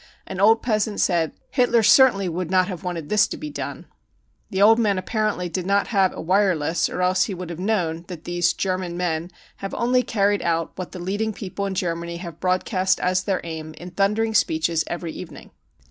An old peasant said : 5 Hitler certainly would not have wanted this to be done. 5 The old man apparently did not have a wireless, or else he would have known that these e German men 5 have enly carried out what the leading people in Germany have broadcast as their aim in thundering speeches every evening.